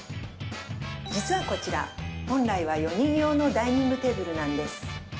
実はこちら本来は４人用のダイニングテーブルなんです。